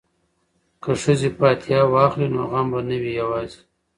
که ښځې فاتحه واخلي نو غم به نه وي یوازې.